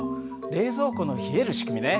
冷蔵庫の冷える仕組みね。